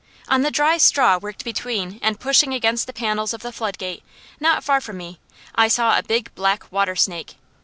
On the dry straw worked between and pushing against the panels of the floodgate, not far from me, I saw a big black water snake.